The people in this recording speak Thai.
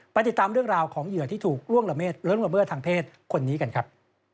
ติดตามเรื่องราวของเหยื่อที่ถูกล่วงละเมิดทางเพศคนนี้กันครับ